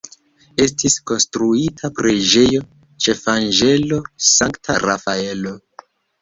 Estis konstruita preĝejo ĉefanĝelo Sankta Rafaelo.